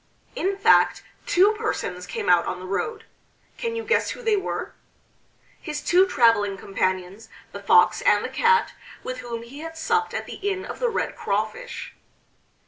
In fact, two persons came out on the road. Can you guess who they were?... His two traveling companions, the Fox and the Cat, with whom he had supped at the Inn of the Red Crawfish.